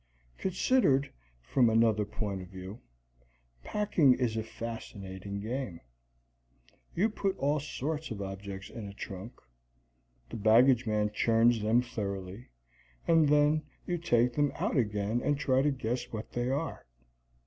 Considered from another point of view, packing is a fascinating game. You put all sorts of objects in a trunk, the baggage man churns them thoroughly, and then you take them out again and try to guess what they are.